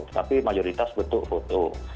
tapi mayoritas bentuk foto